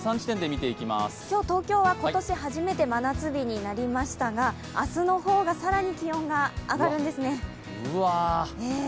今日、東京は今年初めて真夏日になりましたが、明日の方が更に気温が上がるんですね。